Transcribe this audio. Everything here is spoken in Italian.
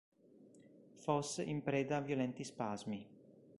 Foss in preda a violenti spasmi.